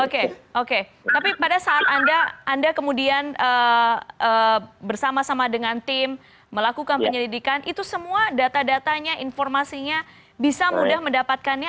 oke oke tapi pada saat anda kemudian bersama sama dengan tim melakukan penyelidikan itu semua data datanya informasinya bisa mudah mendapatkannya